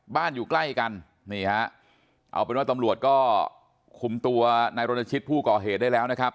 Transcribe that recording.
อยู่ใกล้กันนี่ฮะเอาเป็นว่าตำรวจก็คุมตัวนายรณชิตผู้ก่อเหตุได้แล้วนะครับ